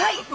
はい！